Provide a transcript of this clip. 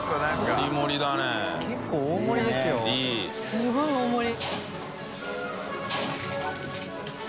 すごい大盛り。